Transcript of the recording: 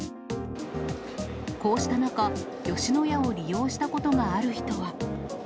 こうした中、吉野家を利用したことがある人は。